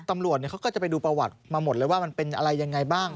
ตำรวจเขาก็จะไปดูประวัติมาหมดเลยว่ามันเป็นอะไรยังไงบ้าง